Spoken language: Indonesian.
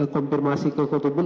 konfirmasi ke ketubul